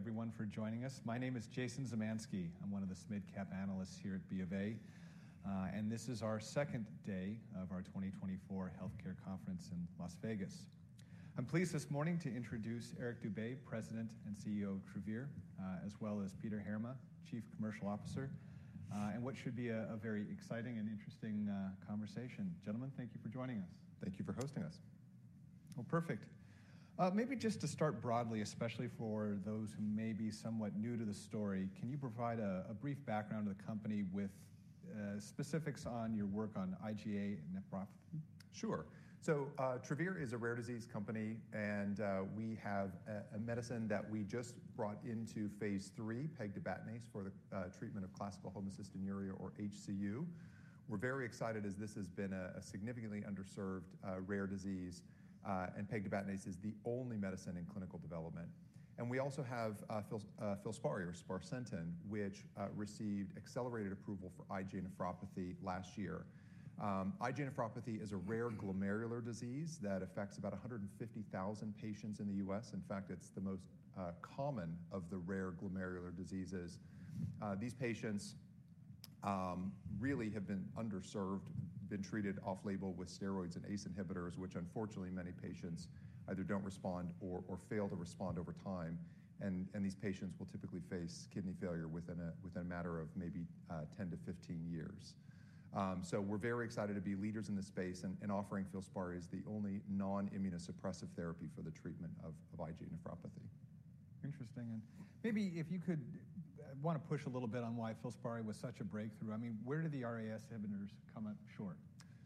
Thank you, everyone, for joining us. My name is Jason Zemansky. I'm one of the mid-cap analysts here at B of A. This is our second day of our 2024 Healthcare Conference in Las Vegas. I'm pleased this morning to introduce Eric Dube, President and CEO of Travere, as well as Peter Heerma, Chief Commercial Officer, in what should be a very exciting and interesting conversation. Gentlemen, thank you for joining us. Thank you for hosting us. Well, perfect. Maybe just to start broadly, especially for those who may be somewhat new to the story, can you provide a brief background of the company with specifics on your work on IgA and nephropathy? Sure. So, Travere is a rare disease company, and we have a medicine that we just brought into phase III, pegtibatinase, for the treatment of classical homocystinuria or HCU. We're very excited as this has been a significantly underserved rare disease, and pegtibatinase is the only medicine in clinical development. And we also have FILSPARI or sparsentan, which received accelerated approval for IgA nephropathy last year. IgA nephropathy is a rare glomerular disease that affects about 150,000 patients in the US. In fact, it's the most common of the rare glomerular diseases. These patients really have been underserved, been treated off-label with steroids and ACE inhibitors, which unfortunately many patients either don't respond or fail to respond over time. These patients will typically face kidney failure within a matter of maybe 10-15 years. So we're very excited to be leaders in this space and offering FILSPARI as the only non-immunosuppressive therapy for the treatment of IgA nephropathy. Interesting. And maybe if you could... I wanna push a little bit on why FILSPARI was such a breakthrough. I mean, where do the RAS inhibitors come up short?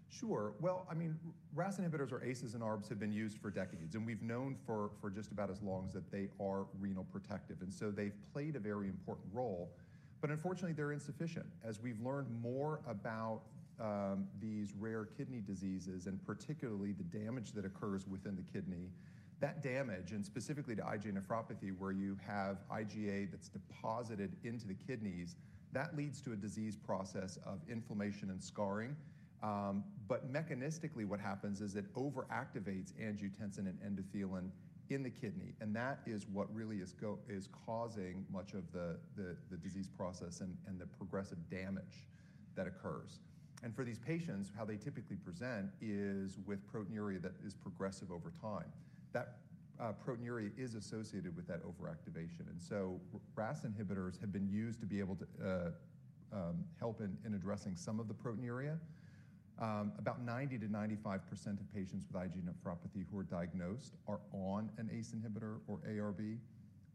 Sure. Well, I mean, RAS inhibitors or ACEs and ARBs have been used for decades, and we've known for just about as long as that they are renal protective, and so they've played a very important role. But unfortunately, they're insufficient. As we've learned more about these rare kidney diseases, and particularly the damage that occurs within the kidney, that damage, and specifically to IgA nephropathy, where you have IgA that's deposited into the kidneys, that leads to a disease process of inflammation and scarring. But mechanistically, what happens is it overactivates angiotensin and endothelin in the kidney, and that is what really is causing much of the disease process and the progressive damage that occurs. And for these patients, how they typically present is with proteinuria that is progressive over time. That proteinuria is associated with that overactivation, and so RAS inhibitors have been used to be able to help in addressing some of the proteinuria. About 90%-95% of patients with IgA nephropathy who are diagnosed are on an ACE inhibitor or ARB,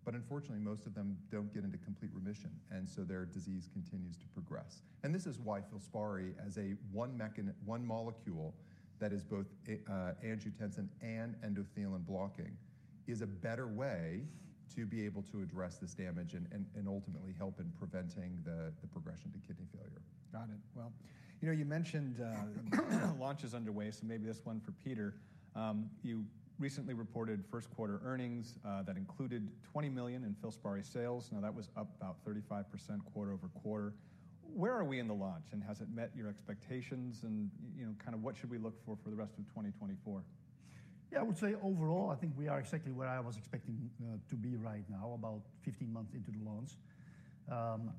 but unfortunately, most of them don't get into complete remission, and so their disease continues to progress. This is why FILSPARI, as one molecule that is both a angiotensin and endothelin blocking, is a better way to be able to address this damage and ultimately help in preventing the progression to kidney failure. Got it. Well, you know, you mentioned, launches underway, so maybe this one for Peter. You recently reported first quarter earnings, that included $20 million in FILSPARI sales. Now, that was up about 35% quarter-over-quarter. Where are we in the launch, and has it met your expectations? And, you know, kind of what should we look for for the rest of 2024? Yeah, I would say overall, I think we are exactly where I was expecting to be right now, about 15 months into the launch.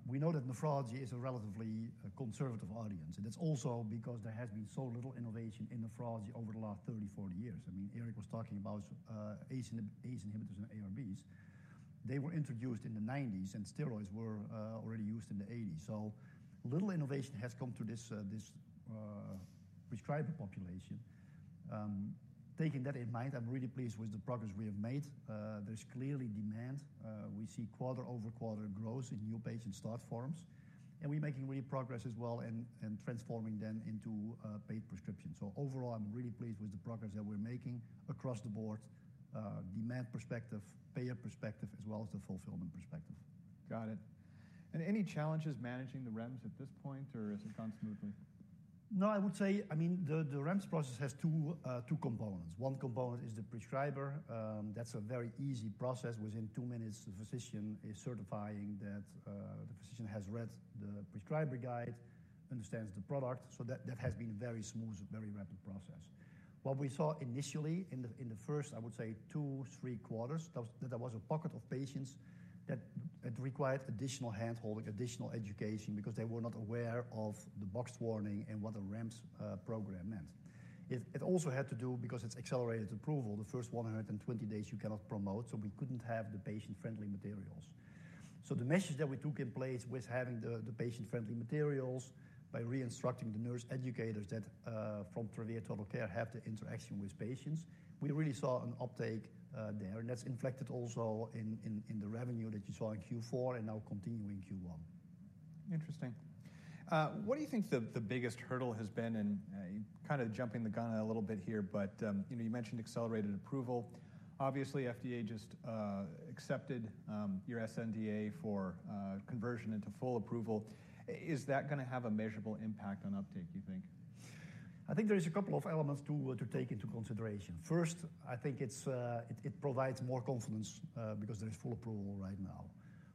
We know that nephrology is a relatively conservative audience, and it's also because there has been so little innovation in nephrology over the last 30-40 years. I mean, Eric was talking about ACE inhibitors and ARBs. They were introduced in the 1990s, and steroids were already used in the 1980s. So little innovation has come to this prescriber population. Taking that in mind, I'm really pleased with the progress we have made. There's clearly demand. We see quarter-over-quarter growth in new patient start forms, and we're making real progress as well in transforming them into paid prescriptions. So overall, I'm really pleased with the progress that we're making across the board, demand perspective, payer perspective, as well as the fulfillment perspective. Got it. And any challenges managing the REMS at this point, or has it gone smoothly? No, I would say... I mean, the REMS process has two components. One component is the prescriber. That's a very easy process. Within two minutes, the physician is certifying that the physician has read the prescriber guide, understands the product. So that has been very smooth, a very rapid process. What we saw initially in the first, I would say 2-3 quarters, that was that there was a pocket of patients that required additional hand-holding, additional education, because they were not aware of the box warning and what the REMS program meant. It also had to do because it's accelerated approval, the first 120 days you cannot promote, so we couldn't have the patient-friendly materials. So the measures that we took in place with having the patient-friendly materials, by reinstructing the nurse educators that from Travere TotalCare have the interaction with patients, we really saw an uptake there. And that's reflected also in the revenue that you saw in Q4 and now continuing in Q1. Interesting. What do you think the biggest hurdle has been in kind of jumping the gun a little bit here, but you know, you mentioned accelerated approval. Obviously, FDA just accepted your sNDA for conversion into full approval. Is that gonna have a measurable impact on uptake, you think? I think there is a couple of elements, too, to take into consideration. First, I think it's, it, it provides more confidence, because there is full approval, right?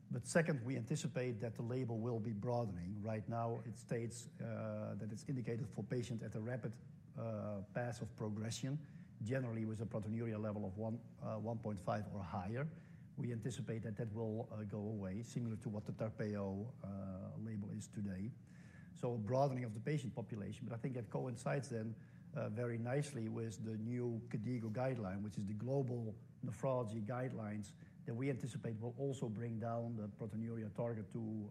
But second, we anticipate that the label will be broadening. Right now, it states that it's indicated for patients at a rapid path of progression, generally with a proteinuria level of 1.5 or higher. We anticipate that that will go away, similar to what the TARPEIO label is today. So broadening of the patient population, but I think that coincides then very nicely with the new KDIGO guideline, which is the global nephrology guidelines that we anticipate will also bring down the proteinuria target to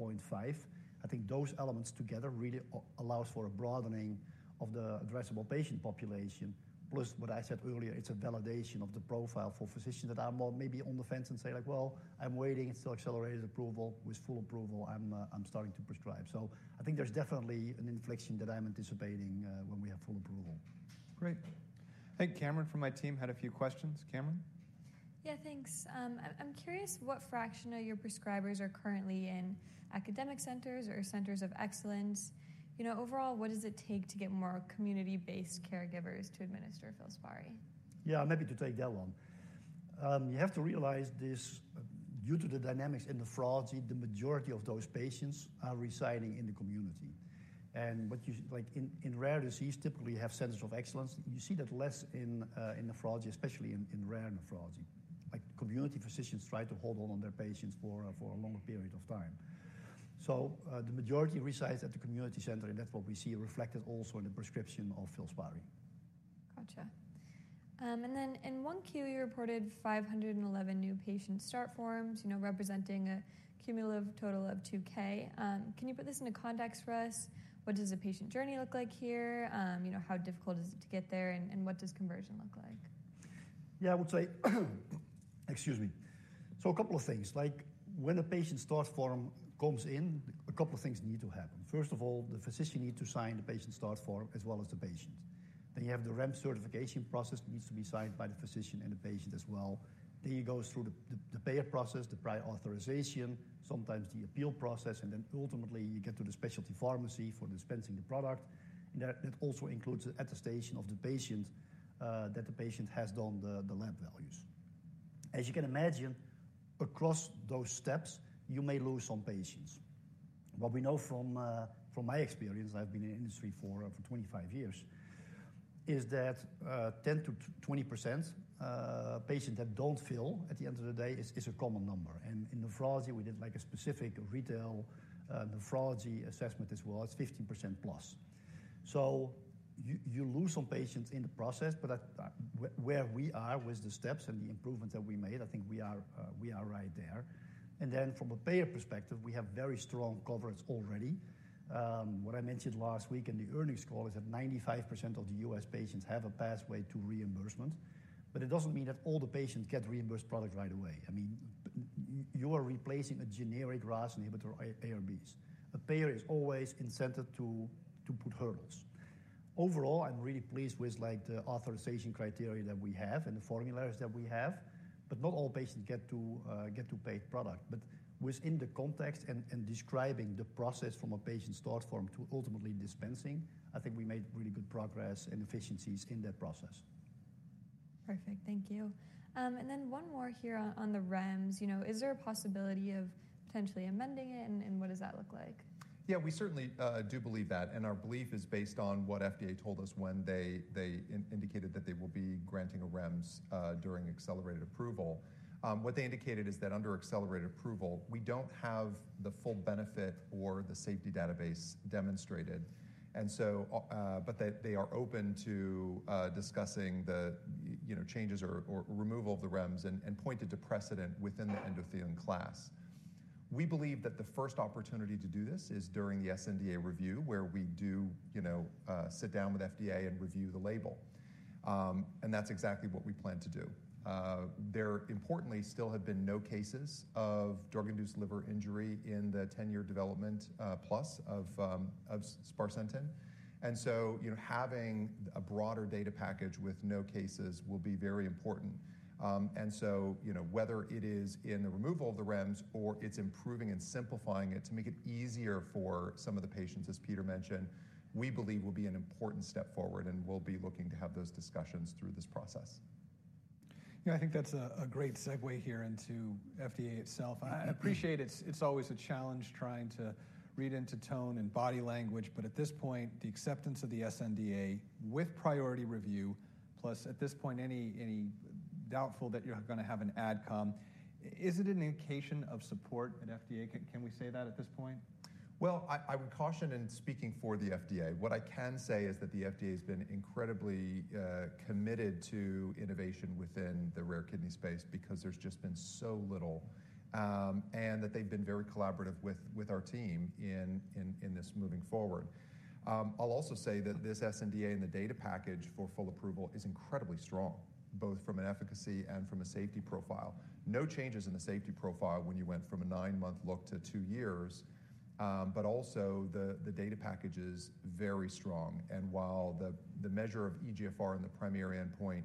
0.5. I think those elements together really allows for a broadening of the addressable patient population, plus what I said earlier, it's a validation of the profile for physicians that are more maybe on the fence and say, like: "Well, I'm waiting. It's still accelerated approval. With full approval, I'm starting to prescribe." So I think there's definitely an inflection that I'm anticipating when we have full approval. Great. I think Cameron from my team had a few questions. Cameron? Yeah, thanks. I'm curious what fraction of your prescribers are currently in academic centers or centers of excellence. You know, overall, what does it take to get more community-based caregivers to administer FILSPARI? Yeah, maybe to take that one. You have to realize this, due to the dynamics in nephrology, the majority of those patients are residing in the community. And what you—like, in rare disease, typically you have centers of excellence. You see that less in nephrology, especially in rare nephrology. Like, community physicians try to hold on to their patients for a longer period of time. So, the majority resides at the community center, and that's what we see reflected also in the prescription of FILSPARI. Gotcha. And then in 1Q, you reported 511 new patient start forms, you know, representing a cumulative total of 2K. Can you put this into context for us? What does a patient journey look like here? You know, how difficult is it to get there, and what does conversion look like? Yeah, I would say, excuse me. So a couple of things, like when a patient start form comes in, a couple of things need to happen. First of all, the physician need to sign the patient start form, as well as the patient. Then you have the REMS certification process that needs to be signed by the physician and the patient as well. Then it goes through the payer process, the prior authorization, sometimes the appeal process, and then ultimately, you get to the specialty pharmacy for dispensing the product. And that also includes attestation of the patient that the patient has done the lab values. As you can imagine, across those steps, you may lose some patients. What we know from my experience, I've been in the industry for over 25 years, is that ten to twenty percent patients that don't fill at the end of the day is a common number, and in nephrology, we did, like, a specific retail nephrology assessment as well. It's 15% plus. So you lose some patients in the process, but where we are with the steps and the improvements that we made, I think we are right there. And then from a payer perspective, we have very strong coverage already. What I mentioned last week in the earnings call is that 95% of the US patients have a pathway to reimbursement, but it doesn't mean that all the patients get reimbursed product right away. I mean, you are replacing a generic RAS inhibitor, ARBs. A payer is always incented to, to put hurdles. Overall, I'm really pleased with, like, the authorization criteria that we have and the formularies that we have, but not all patients get to get to pay product. But within the context and, and describing the process from a patient start form to ultimately dispensing, I think we made really good progress and efficiencies in that process. Perfect. Thank you. And then one more here on the REMS. You know, is there a possibility of potentially amending it, and what does that look like? Yeah, we certainly do believe that, and our belief is based on what FDA told us when they indicated that they will be granting a REMS during accelerated approval. What they indicated is that under accelerated approval, we don't have the full benefit or the safety database demonstrated, and so... But that they are open to discussing the, you know, changes or removal of the REMS and pointed to precedent within the endothelin class. We believe that the first opportunity to do this is during the sNDA review, where we do, you know, sit down with FDA and review the label. And that's exactly what we plan to do. There importantly, still have been no cases of drug-induced liver injury in the 10-year development plus of sparsentan. You know, having a broader data package with no cases will be very important. You know, whether it is in the removal of the REMS or it's improving and simplifying it to make it easier for some of the patients, as Peter mentioned, we believe will be an important step forward, and we'll be looking to have those discussions through this process. Yeah, I think that's a great segue here into FDA itself. I appreciate it's always a challenge trying to read into tone and body language, but at this point, the acceptance of the sNDA with priority review, plus at this point, is there any doubt that you're gonna have an AdCom? Is it an indication of support at FDA? Can we say that at this point? Well, I would caution in speaking for the FDA. What I can say is that the FDA has been incredibly committed to innovation within the rare kidney space because there's just been so little, and that they've been very collaborative with our team in this moving forward. I'll also say that this sNDA and the data package for full approval is incredibly strong, both from an efficacy and from a safety profile. No changes in the safety profile when you went from a 9-month look to 2 years, but also the data package is very strong, and while the measure of eGFR and the primary endpoint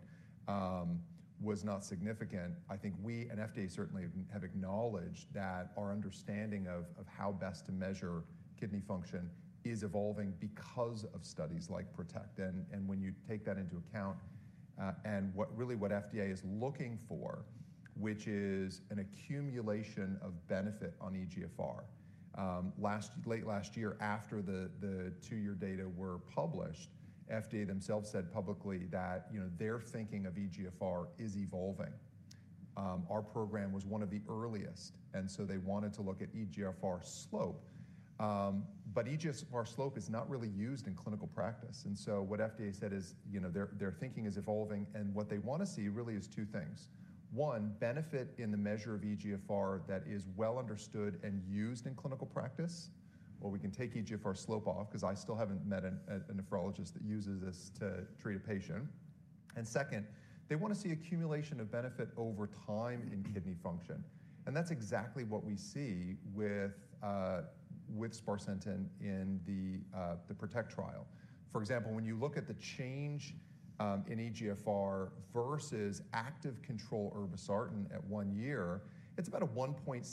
was not significant, I think we and FDA certainly have acknowledged that our understanding of how best to measure kidney function is evolving because of studies like PROTECT. When you take that into account, and what really what FDA is looking for, which is an accumulation of benefit on eGFR. Late last year, after the two-year data were published, FDA themselves said publicly that, you know, their thinking of eGFR is evolving... Our program was one of the earliest, and so they wanted to look at eGFR slope. But eGFR slope is not really used in clinical practice, and so what FDA said is, you know, their thinking is evolving, and what they want to see really is two things. One, benefit in the measure of eGFR that is well understood and used in clinical practice, or we can take eGFR slope off because I still haven't met a nephrologist that uses this to treat a patient. Second, they want to see accumulation of benefit over time in kidney function, and that's exactly what we see with sparsentan in the PROTECT trial. For example, when you look at the change in eGFR versus active control irbesartan at one year, it's about a 1.7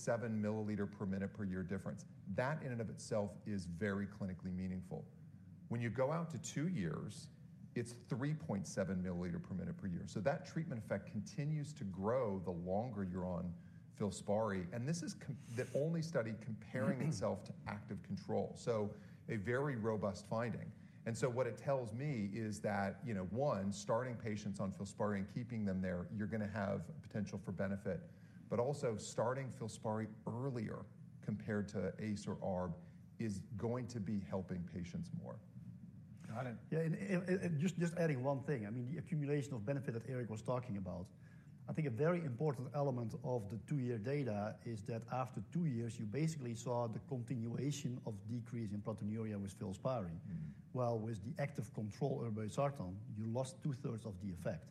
milliliter per minute per year difference. That in and of itself is very clinically meaningful. When you go out to two years, it's 3.7 milliliter per minute per year. So that treatment effect continues to grow the longer you're on FILSPARI, and this is the only study comparing itself to active control, so a very robust finding. And so what it tells me is that, you know, one, starting patients on FILSPARI and keeping them there, you're gonna have potential for benefit. But also starting FILSPARI earlier compared to ACE or ARB is going to be helping patients more. Got it. Yeah, and just adding one thing. I mean, the accumulation of benefit that Eric was talking about, I think a very important element of the two-year data is that after two years, you basically saw the continuation of decrease in proteinuria with FILSPARI. Mm-hmm. While with the active control, irbesartan, you lost two-thirds of the effect.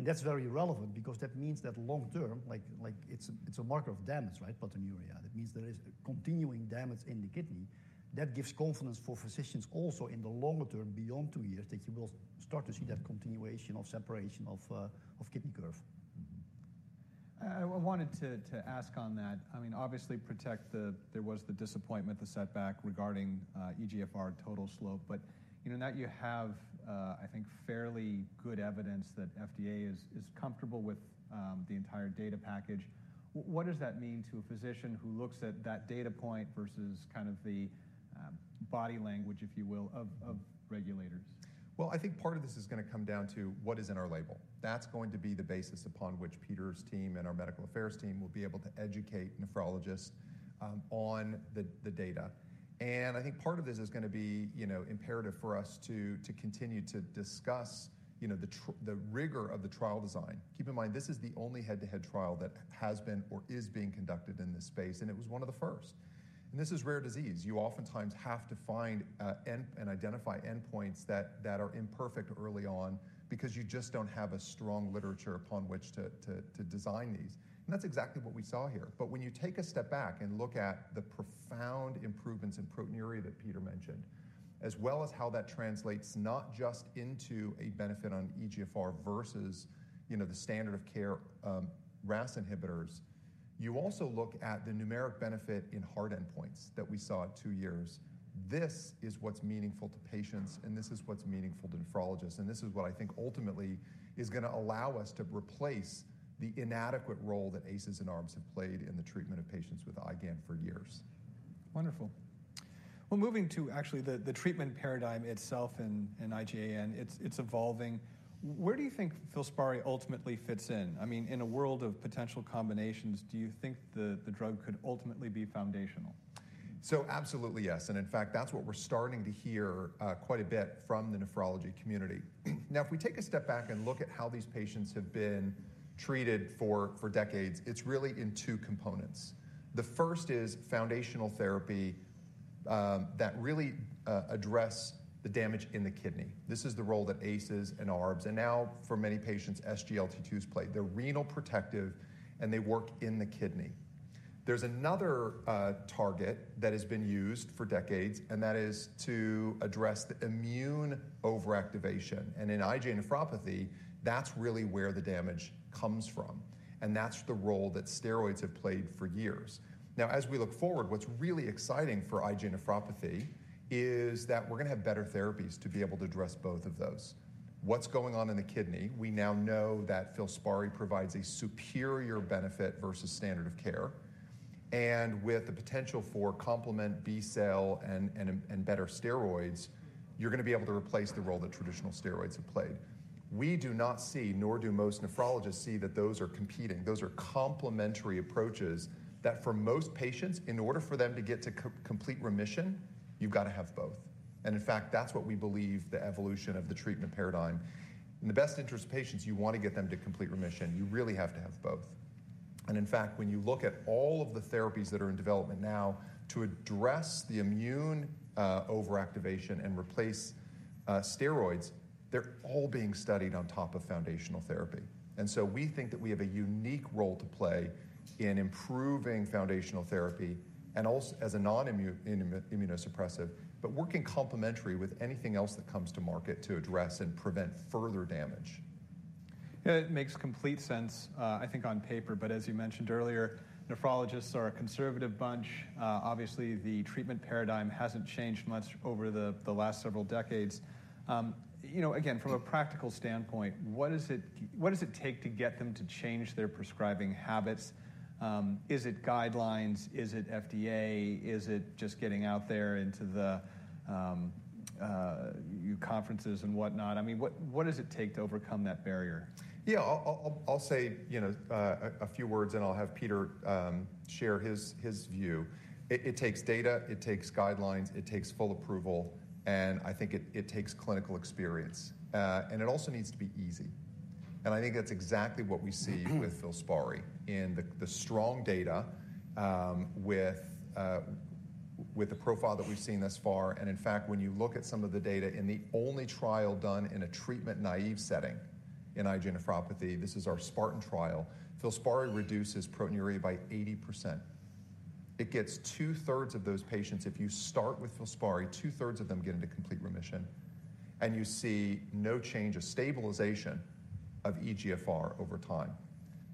That's very relevant because that means that long term, like, it's a marker of damage, right? Proteinuria. That means there is continuing damage in the kidney. That gives confidence for physicians also in the longer term, beyond two years, that you will start to see- Mm-hmm... that continuation of separation of kidney curve. I wanted to ask on that. I mean, obviously, PROTECT, the—there was the disappointment, the setback regarding eGFR total slope, but you know, now that you have, I think, fairly good evidence that FDA is comfortable with the entire data package. What does that mean to a physician who looks at that data point versus kind of the body language, if you will, of regulators? Well, I think part of this is gonna come down to what is in our label. That's going to be the basis upon which Peter's team and our medical affairs team will be able to educate nephrologists on the data. And I think part of this is gonna be, you know, imperative for us to continue to discuss, you know, the rigor of the trial design. Keep in mind, this is the only head-to-head trial that has been or is being conducted in this space, and it was one of the first. And this is rare disease. You oftentimes have to find and identify endpoints that are imperfect early on because you just don't have a strong literature upon which to design these, and that's exactly what we saw here. But when you take a step back and look at the profound improvements in proteinuria that Peter mentioned, as well as how that translates not just into a benefit on eGFR versus, you know, the standard of care, RAS inhibitors, you also look at the numeric benefit in hard endpoints that we saw at 2 years. This is what's meaningful to patients, and this is what's meaningful to nephrologists, and this is what I think ultimately is gonna allow us to replace the inadequate role that ACEs and ARBs have played in the treatment of patients with IgAN for years. Wonderful. Well, moving to actually the treatment paradigm itself in IgAN, it's evolving. Where do you think FILSPARI ultimately fits in? I mean, in a world of potential combinations, do you think the drug could ultimately be foundational? So absolutely, yes. And in fact, that's what we're starting to hear quite a bit from the nephrology community. Now, if we take a step back and look at how these patients have been treated for decades, it's really in two components. The first is foundational therapy that really address the damage in the kidney. This is the role that ACEs and ARBs, and now for many patients, SGLT2s play. They're renal protective, and they work in the kidney. There's another target that has been used for decades, and that is to address the immune overactivation. And in IgA nephropathy, that's really where the damage comes from, and that's the role that steroids have played for years. Now, as we look forward, what's really exciting for IgA nephropathy is that we're gonna have better therapies to be able to address both of those. What's going on in the kidney? We now know that FILSPARI provides a superior benefit versus standard of care, and with the potential for complement B-cell and better steroids, you're gonna be able to replace the role that traditional steroids have played. We do not see, nor do most nephrologists see, that those are competing. Those are complementary approaches that for most patients, in order for them to get to complete remission, you've got to have both. And in fact, that's what we believe the evolution of the treatment paradigm. In the best interest of patients, you want to get them to complete remission, you really have to have both. And in fact, when you look at all of the therapies that are in development now to address the immune overactivation and replace steroids, they're all being studied on top of foundational therapy. And so we think that we have a unique role to play in improving foundational therapy and also as a non-immunosuppressive, but working complementary with anything else that comes to market to address and prevent further damage. It makes complete sense, I think, on paper, but as you mentioned earlier, nephrologists are a conservative bunch. Obviously, the treatment paradigm hasn't changed much over the last several decades. You know, again, from a practical standpoint, what does it take to get them to change their prescribing habits? Is it guidelines? Is it FDA? Is it just getting out there into the conferences and whatnot? I mean, what does it take to overcome that barrier? Yeah, I'll say, you know, a few words, and I'll have Peter share his view. It takes data, it takes guidelines, it takes full approval, and I think it takes clinical experience. And it also needs to be easy. And I think that's exactly what we see with FILSPARI in the strong data with the profile that we've seen thus far. And in fact, when you look at some of the data in the only trial done in a treatment-naive setting in IgA nephropathy, this is our SPARTAN trial, FILSPARI reduces proteinuria by 80%. It gets two-thirds of those patients. If you start with FILSPARI, two-thirds of them get into complete remission, and you see no change or stabilization of eGFR over time.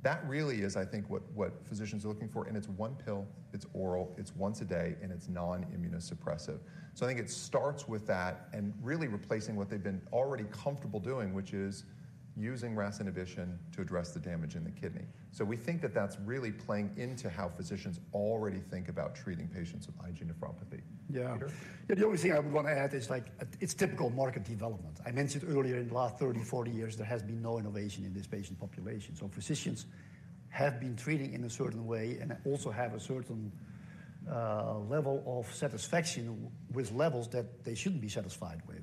That really is, I think, what, what physicians are looking for, and it's one pill, it's oral, it's once a day, and it's non-immunosuppressive. So I think it starts with that and really replacing what they've been already comfortable doing, which is using RAS inhibition to address the damage in the kidney. So we think that that's really playing into how physicians already think about treating patients with IgA nephropathy. Yeah. Peter? Yeah, the only thing I would want to add is like, it's typical market development. I mentioned earlier, in the last 30, 40 years, there has been no innovation in this patient population. So physicians have been treating in a certain way and also have a certain level of satisfaction with levels that they shouldn't be satisfied with.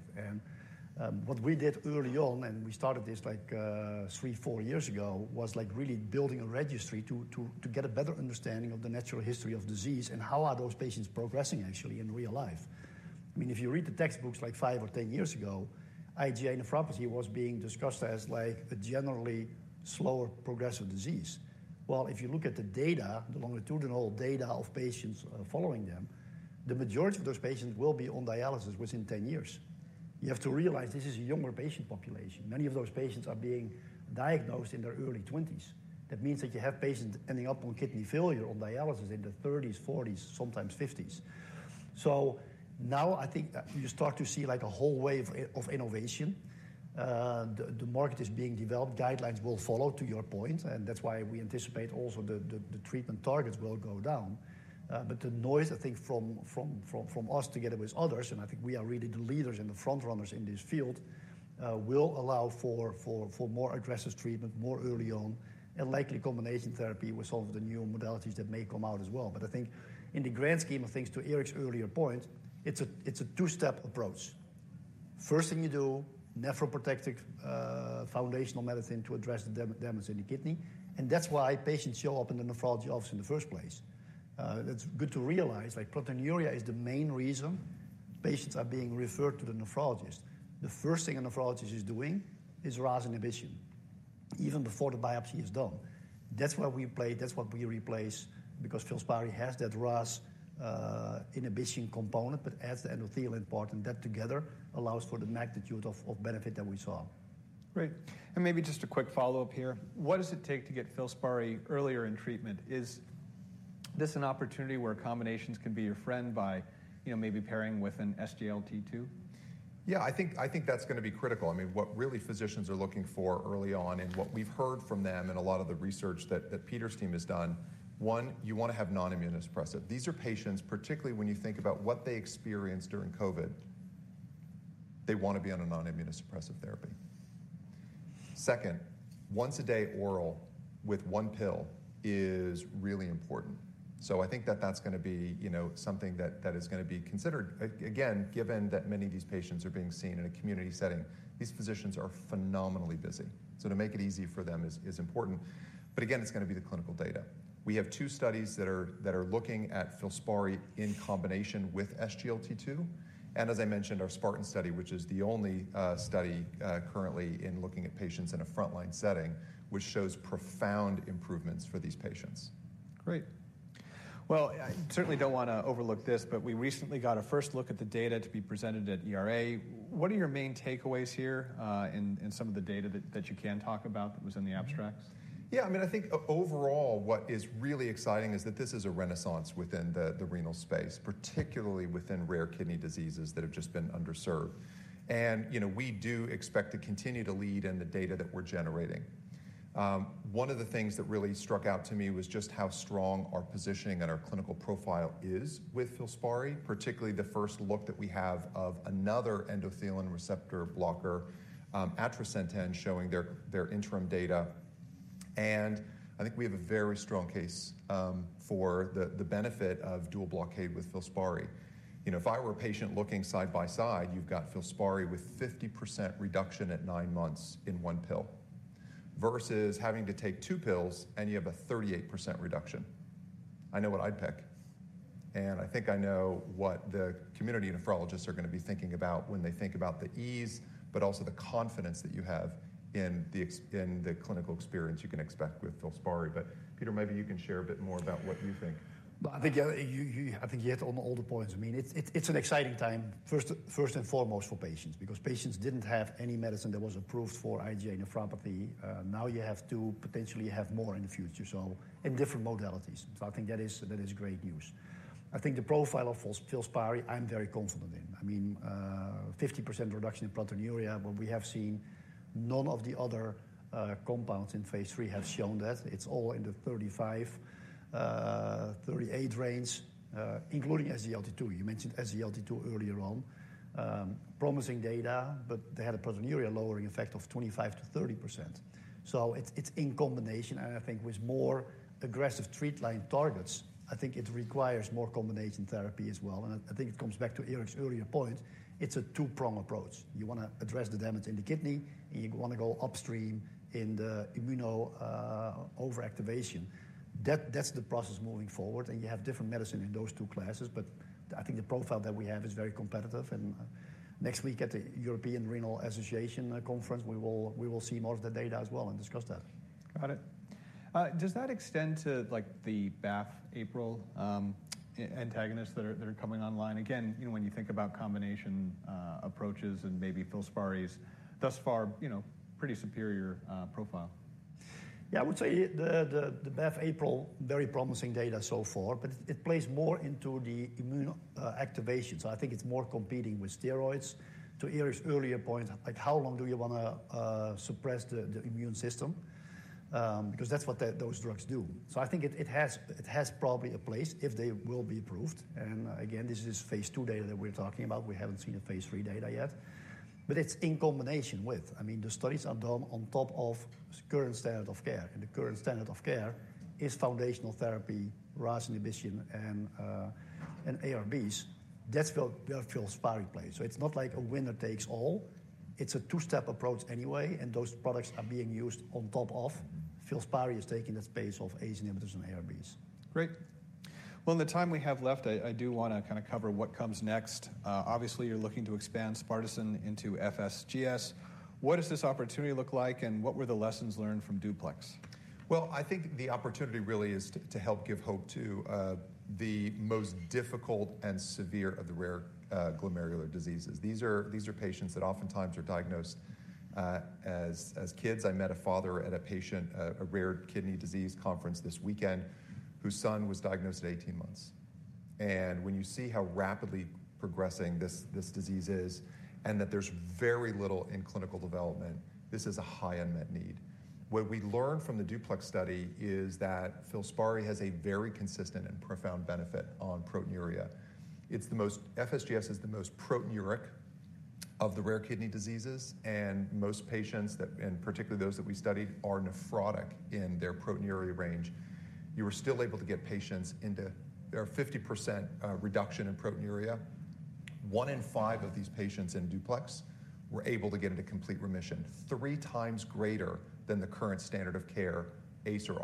And what we did early on, and we started this like 3, 4 years ago, was like really building a registry to get a better understanding of the natural history of disease and how are those patients progressing actually in real life. I mean, if you read the textbooks like 5 or 10 years ago, IgA nephropathy was being discussed as like a generally slower progressive disease. Well, if you look at the data, the longitudinal data of patients following them, the majority of those patients will be on dialysis within 10 years. You have to realize this is a younger patient population. Many of those patients are being diagnosed in their early 20s. That means that you have patients ending up on kidney failure or dialysis in their 30s, 40s, sometimes 50s. So now I think you start to see like a whole wave of innovation. The market is being developed. Guidelines will follow, to your point, and that's why we anticipate also the treatment targets will go down. But the noise, I think from us together with others, and I think we are really the leaders and the front runners in this field, will allow for more aggressive treatment more early on, and likely combination therapy with some of the new modalities that may come out as well. But I think in the grand scheme of things, to Eric's earlier point, it's a two-step approach. First thing you do, nephroprotective foundational medicine to address the damage in the kidney, and that's why patients show up in the nephrology office in the first place. It's good to realize, like, proteinuria is the main reason patients are being referred to the nephrologist. The first thing a nephrologist is doing is RAS inhibition, even before the biopsy is done. That's where we play, that's what we replace, because FILSPARI has that RAS inhibition component, but adds the endothelin part, and that together allows for the magnitude of benefit that we saw. Great. Maybe just a quick follow-up here. What does it take to get FILSPARI earlier in treatment? Is this an opportunity where combinations can be your friend by, you know, maybe pairing with an SGLT2? Yeah, I think, I think that's gonna be critical. I mean, what really physicians are looking for early on, and what we've heard from them in a lot of the research that Peter's team has done, one, you want to have non-immunosuppressive. These are patients, particularly when you think about what they experienced during COVID, they want to be on a non-immunosuppressive therapy. Second, once-a-day oral with one pill is really important. So I think that that's gonna be, you know, something that is gonna be considered. Again, given that many of these patients are being seen in a community setting, these physicians are phenomenally busy, so to make it easy for them is important. But again, it's gonna be the clinical data. We have two studies that are looking at FILSPARI in combination with SGLT2, and as I mentioned, our SPARTAN study, which is the only study currently looking at patients in a frontline setting, which shows profound improvements for these patients. Great. Well, I certainly don't want to overlook this, but we recently got a first look at the data to be presented at ERA. What are your main takeaways here in some of the data that you can talk about that was in the abstracts? Yeah, I mean, I think overall, what is really exciting is that this is a renaissance within the renal space, particularly within rare kidney diseases that have just been underserved. And, you know, we do expect to continue to lead in the data that we're generating. One of the things that really struck out to me was just how strong our positioning and our clinical profile is with FILSPARI, particularly the first look that we have of another endothelin receptor blocker, atrasentan, showing their interim data. And I think we have a very strong case for the benefit of dual blockade with FILSPARI. You know, if I were a patient looking side by side, you've got FILSPARI with 50% reduction at nine months in one pill, versus having to take two pills and you have a 38% reduction. I know what I'd pick, and I think I know what the community nephrologists are gonna be thinking about when they think about the ease, but also the confidence that you have in the clinical experience you can expect with FILSPARI. But Peter, maybe you can share a bit more about what you think. Well, I think you hit on all the points. I mean, it's an exciting time, first and foremost for patients, because patients didn't have any medicine that was approved for IgA nephropathy. Now you have to potentially have more in the future, so in different modalities. So I think that is great news. I think the profile of FILSPARI, I'm very confident in. I mean, 50% reduction in proteinuria, but we have seen none of the other compounds in phase 3 have shown that. It's all in the 35-38 range, including SGLT2. You mentioned SGLT2 earlier on. Promising data, but they had a proteinuria lowering effect of 25%-30%. So it's, it's in combination, and I think with more aggressive treat line targets, I think it requires more combination therapy as well. And I think it comes back to Eric's earlier point, it's a two-prong approach. You wanna address the damage in the kidney, and you wanna go upstream in the immuno overactivation. That's the process moving forward, and you have different medicine in those two classes, but I think the profile that we have is very competitive. And next week at the European Renal Association conference, we will, we will see more of the data as well and discuss that. Got it. Does that extend to, like, the BAFF/APRIL antagonists that are coming online? Again, you know, when you think about combination approaches and maybe FILSPARI thus far, you know, pretty superior profile. Yeah, I would say the BAFF/APRIL, very promising data so far, but it plays more into the immuno activation. So I think it's more competing with steroids. To Eric's earlier point, like, how long do you wanna suppress the immune system? Because that's what those drugs do. So I think it has probably a place if they will be approved, and again, this is phase two data that we're talking about. We haven't seen the phase three data yet. But it's in combination with... I mean, the studies are done on top of current standard of care, and the current standard of care is foundational therapy, RAS inhibition, and ARBs. That's where FILSPARI plays. So it's not like a winner takes all. It's a two-step approach anyway, and those products are being used on top of FILSPARI's taking the space of ACE inhibitors and ARBs. Great. Well, in the time we have left, I do wanna kinda cover what comes next. Obviously, you're looking to expand sparsentan into FSGS. What does this opportunity look like, and what were the lessons learned from DUPLEX? Well, I think the opportunity really is to help give hope to the most difficult and severe of the rare glomerular diseases. These are patients that oftentimes are diagnosed as kids. I met a father and a patient at a rare kidney disease conference this weekend, whose son was diagnosed at 18 months. And when you see how rapidly progressing this disease is, and that there's very little in clinical development, this is a high unmet need. What we learned from the DUPLEX study is that FILSPARI has a very consistent and profound benefit on proteinuria. It's the most-- FSGS is the most proteinuria of the rare kidney diseases, and most patients that... and particularly those that we studied, are nephrotic in their proteinuria range. You were still able to get patients into-- There are 50% reduction in proteinuria. One in five of these patients in DUPLEX were able to get into complete remission, three times greater than the current standard of care, ACE or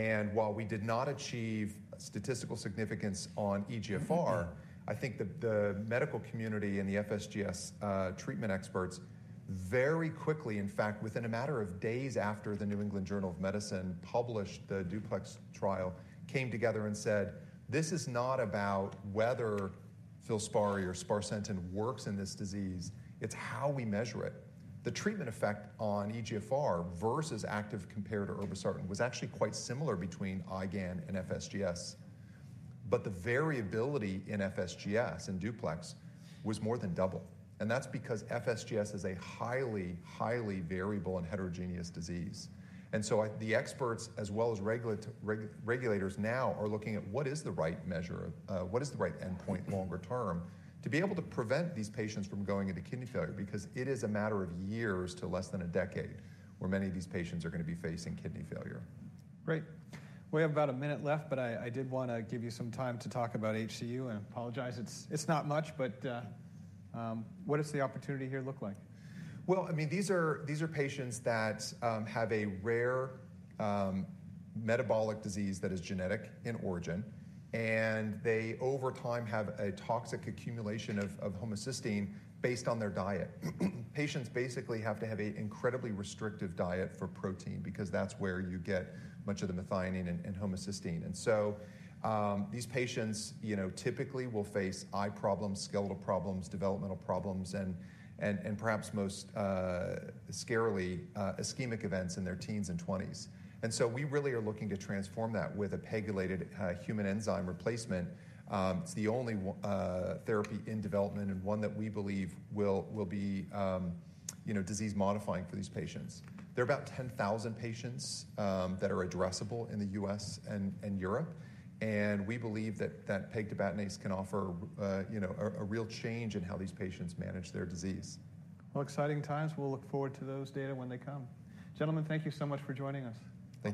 ARB. While we did not achieve statistical significance on eGFR, I think the medical community and the FSGS treatment experts very quickly, in fact, within a matter of days after the New England Journal of Medicine published the DUPLEX trial, came together and said: "This is not about whether FILSPARI or sparsentan works in this disease, it's how we measure it." The treatment effect on eGFR versus active compared to irbesartan was actually quite similar between IgAN and FSGS. The variability in FSGS, in DUPLEX, was more than double, and that's because FSGS is a highly, highly variable and heterogeneous disease. The experts, as well as regulators, now are looking at what is the right measure, what is the right endpoint longer term, to be able to prevent these patients from going into kidney failure? Because it is a matter of years to less than a decade, where many of these patients are gonna be facing kidney failure. Great. We have about a minute left, but I did wanna give you some time to talk about HCU, and I apologize it's not much, but, what does the opportunity here look like? Well, I mean, these are patients that have a rare metabolic disease that is genetic in origin, and they over time have a toxic accumulation of homocysteine based on their diet. Patients basically have to have a incredibly restrictive diet for protein because that's where you get much of the methionine and homocysteine. And so, these patients, you know, typically will face eye problems, skeletal problems, developmental problems, and perhaps most scarily, ischemic events in their teens and twenties. And so we really are looking to transform that with a pegylated human enzyme replacement. It's the only therapy in development and one that we believe will be, you know, disease-modifying for these patients. There are about 10,000 patients that are addressable in the US and Europe, and we believe that pegtibatinase can offer, you know, a real change in how these patients manage their disease. Well, exciting times. We'll look forward to those data when they come. Gentlemen, thank you so much for joining us.